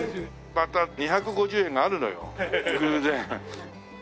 また２５０円があるのよ偶然。